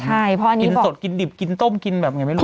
กินสดกินดิบกินต้มกินแบบไงไม่รู้